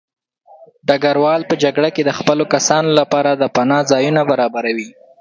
ډګروال په جګړه کې د خپلو کسانو لپاره د پناه ځایونه برابروي.